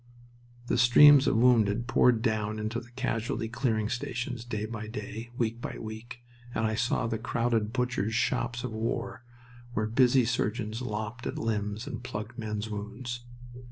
The streams of wounded poured down into the casualty clearing stations day by day, week by week, and I saw the crowded Butchers' Shops of war, where busy surgeons lopped at limbs and plugged men's wounds.